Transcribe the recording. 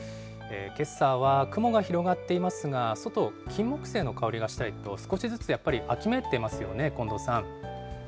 けさは雲が広がっていますが、外、きんもくせいの香りがしたりと、少しずつやっぱり秋めいてますよね、近藤さん。